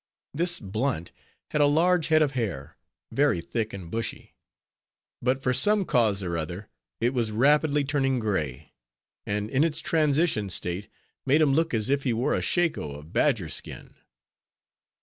This Blunt had a large head of hair, very thick and bushy; but from some cause or other, it was rapidly turning gray; and in its transition state made him look as if he wore a shako of badger skin.